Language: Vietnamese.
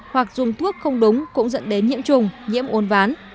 hoặc dùng thuốc không đúng cũng dẫn đến nhiễm trùng nhiễm uốn ván